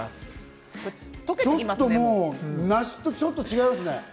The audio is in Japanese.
ちょっともう梨とちょっと違いますね。